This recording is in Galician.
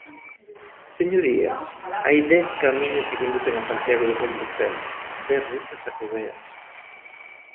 Señorías, hai dez camiños que conducen a Santiago de Compostela, dez rutas xacobeas.